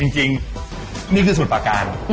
จริงนี่คือศูนย์ปาการ